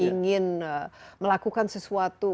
ingin melakukan sesuatu